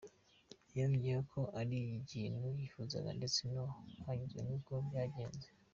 Yongeyeho ko ari ikintu yifuzaga ndetse ko yanyuzwe n’uko cyagenze.